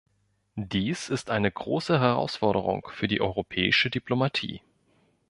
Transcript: Dies ist eine große Herausforderung für die europäische Diplomatie.